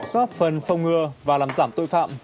góp phần phong ngừa và làm giảm tội phạm